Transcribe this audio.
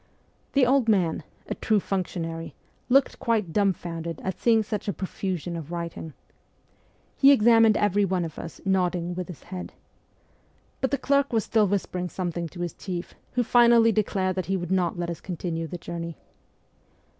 The old man a true functionary looked quite dumbfounded at seeing such a profusion of writing. He examined every one of us, nodding with his head. But the clerk was still whispering something to his chief, who finally declared that he would not let us continue the journey.